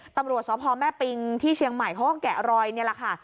ตำรวจสพแม่ปิงที่เชียงใหม่เขาก็แกะรอยนี่แหละค่ะ